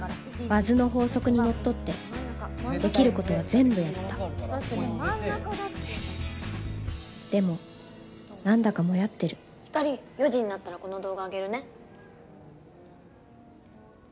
バズの法則にのっとってできることは全部やったでも何だかモヤってるひかり４時になったらこの動画あげるね。